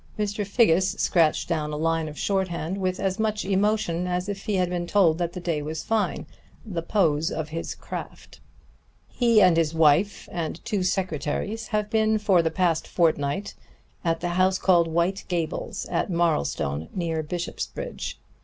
Mr. Figgis scratched down a line of shorthand with as much emotion as if he had been told that the day was fine the pose of his craft. "He and his wife and two secretaries have been for the past fortnight at the house called White Gables, at Marlstone, near Bishopsbridge.